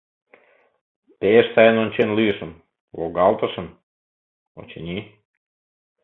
Пеш сайын ончен лӱйышым, логалтышым, очыни.